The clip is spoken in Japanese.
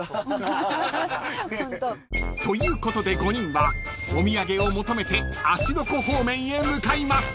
［ということで５人はお土産を求めて芦ノ湖方面へ向かいます］